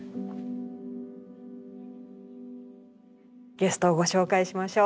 ゲストをご紹介しましょう。